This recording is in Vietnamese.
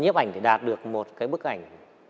nhếp ảnh thì đạt được một cái bức ảnh